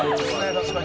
確かに。